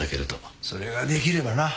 それができればな。